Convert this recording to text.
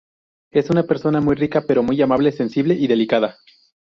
Es una persona muy rica, pero muy amable sensible y delicada.